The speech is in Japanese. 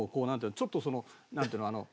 ちょっとそのなんていうの。